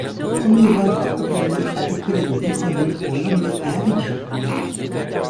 Le premier vol de la compagnie a décollé de Libreville pour Lomé et Abidjan.